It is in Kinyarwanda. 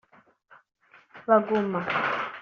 Baguma